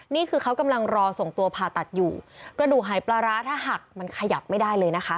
นี่คือเขากำลังรอส่งตัวผ่าตัดอยู่กระดูกหายปลาร้าถ้าหักมันขยับไม่ได้เลยนะคะ